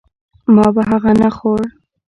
ما به هغه نه خوړ.